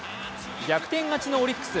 逆転勝ちのオリックス。